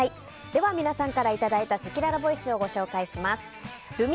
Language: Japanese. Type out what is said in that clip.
では皆さんからいただいたせきららボイスをご紹介します。